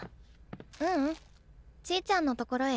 ううんちぃちゃんのところへ。